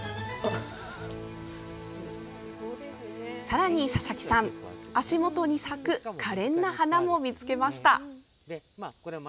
さらに佐々木さん足元に咲くかれんな花も見つけました。